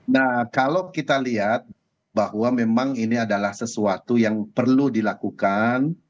nah kalau kita lihat bahwa memang ini adalah sesuatu yang perlu dilakukan